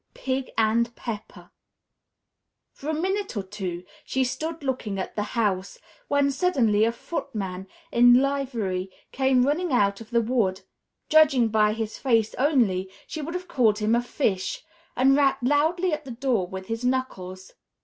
VI PIG AND PEPPER For a minute or two she stood looking at the house, when suddenly a footman in livery came running out of the wood (judging by his face only, she would have called him a fish) and rapped loudly at the door with his knuckles.